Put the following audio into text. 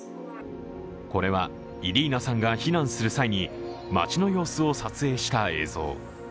これはイリーナさんが避難する際に、街の様子を撮影した映像。